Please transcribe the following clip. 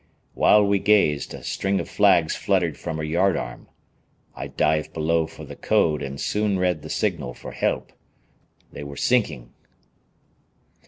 While we gazed, a string of flags fluttered from her yard arm. I dived below for the code and soon read the signal for help. They were sinking.